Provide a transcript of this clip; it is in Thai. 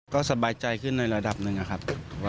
ก็สบายใจขึ้นในระดับหนึ่งนะครับ